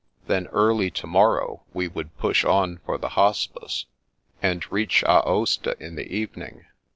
Then early to morrow we would push on for the Hospice, and reach Aosta in the evening."